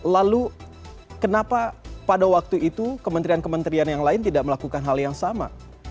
lalu kenapa pada waktu itu kementerian kementerian yang lain tidak melakukan hal yang sama